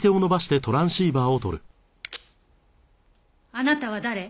あなたは誰？